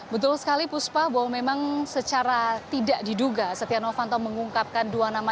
betul sekali puspa bahwa memang secara tidak diduga setia novanto mengungkapkan dua nama